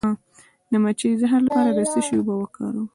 د مچۍ د زهر لپاره د څه شي اوبه وکاروم؟